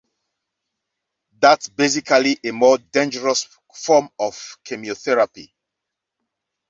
That's basically a more dangerous form of chemotherapy